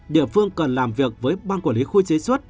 địa phương cần làm việc với ban quản lý khu chế xuất